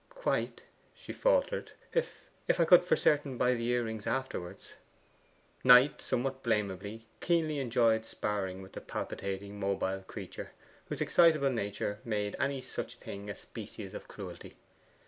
'Quite,' she faltered; 'if I could for certain buy the earrings afterwards.' Knight, somewhat blamably, keenly enjoyed sparring with the palpitating mobile creature, whose excitable nature made any such thing a species of cruelty.